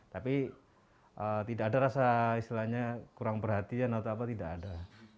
tapi tidak ada rasa istilahnya kurang perhatian atau apa tidak ada